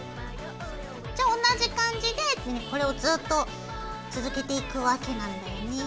じゃあ同じ感じでこれをずっと続けていくわけなんだよね。